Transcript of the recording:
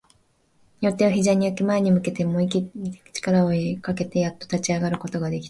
両手を膝に置き、前に向けて思いっきり力をかけて、やっと立ち上がることができた